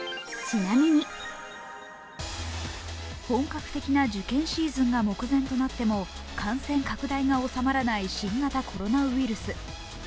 本格的な受験シーズンが目前となっても感染拡大が収まらない新型コロナウイルス。